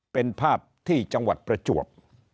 เป็นภาพที่จังหวัดประจวบ